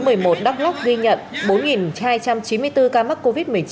tỉnh đắk lắc ghi nhận bốn hai trăm chín mươi bốn ca mắc covid một mươi chín